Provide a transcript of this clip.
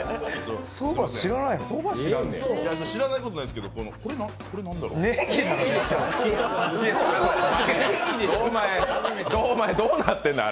知らないことないですけどこれ何だろう堂前、どうなってんだ？